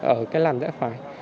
ở cái làn dẹp phải